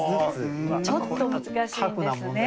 ちょっと難しいんですね。